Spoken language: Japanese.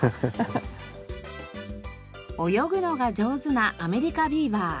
泳ぐのが上手なアメリカビーバー。